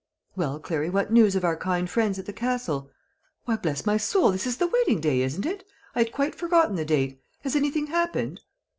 Well, Clary, what news of our kind friends at the Castle? Why, bless my soul, this is the wedding day, isn't it? I had quite forgotten the date. Has anything happened?"